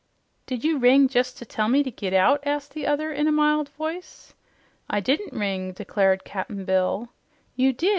"Did you ring jes' to tell me to git out?" asked the other in a mild voice. "I I didn't ring," declared Cap'n Bill. "You did.